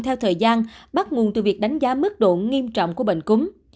theo thời gian bắt nguồn từ việc đánh giá mức độ nghiêm trọng của bệnh cúm